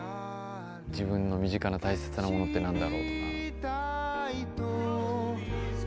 自分の身近な大切なものって何だろうとか。